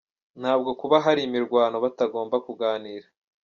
"Ntabwo kuba hari imirwano batagomba kuganira.